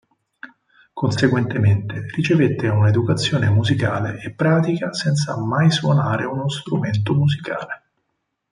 Conseguentemente ricevette una educazione musicale e pratica senza mai suonare uno strumento musicale.